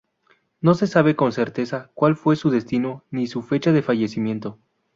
No se sabe con certeza cual fue su destino ni su fecha de fallecimiento.